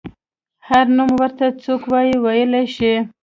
هر نوم ورته څوک وايي ویلی شي.